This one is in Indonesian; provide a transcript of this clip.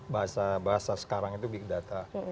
bahasa bahasa sekarang itu big data